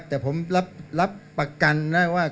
แต่ผมรับประกันนะว่า